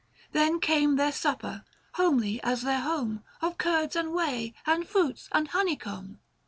Then came their supper, homely as their home : 615 Of curds and whey, and fruits, and honeycomb.